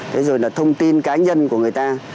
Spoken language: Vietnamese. thế rồi là thông tin cá nhân của người ta